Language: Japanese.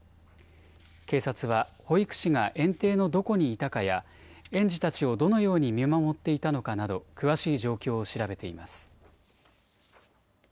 警察は、保育士が園庭のどこにいたかや、園児たちをどのように見守っていたのかなど、詳しい状況を調べています。